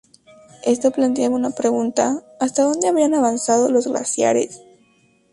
Esto planteaba una pregunta: ¿hasta dónde habrían avanzado los glaciares?